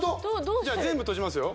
じゃあ全部閉じますよ。